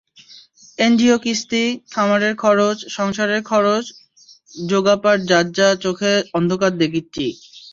NGO কিস্তি, খামারের খরচ, সংসারের খরচ যোগাপার যায্যা চোখে অন্ধকার দেকিচ্চি।